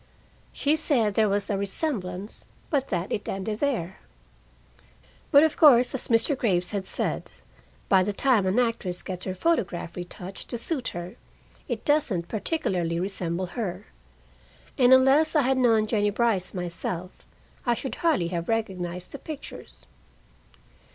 She said there was a resemblance, but that it ended there. But of course, as Mr. Graves had said, by the time an actress gets her photograph retouched to suit her, it doesn't particularly resemble her. And unless I had known Jennie Brice myself, I should hardly have recognized the pictures.